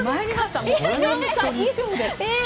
アナウンサー以上です。